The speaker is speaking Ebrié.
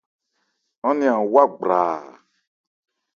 Án nɛn an wá gbraa.